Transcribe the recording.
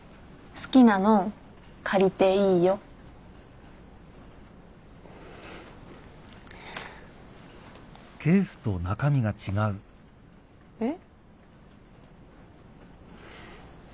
好きなの借りていいよ。えっ？